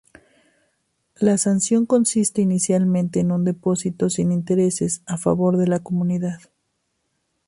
La sanción consiste inicialmente en un depósito sin intereses, a favor de la Comunidad.